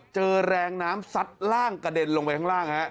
เจอแรงน้ำซัดล่างกระเด็นลงไปข้างล่าง